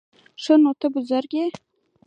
_ښه نو، ته بزرګ يې؟